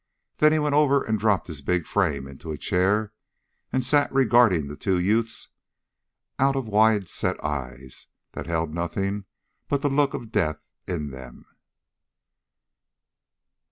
Then he went over and dropped his big frame into a chair, and sat regarding the two youths out of wide set eyes that held nothing but the look of death in them.